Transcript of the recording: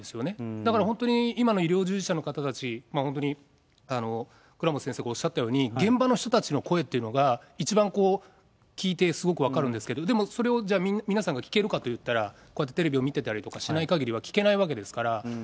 だから本当に今の医療従事者の方たち、本当に倉持先生がおっしゃったように、現場の人たちの声っていうのが、一番聞いて、すごく分かるんですけど、でもそれをじゃあ、皆さんが聞けるかっていったら、こうやってテレビを見てたりとかしないかぎりは聞けないわけですから。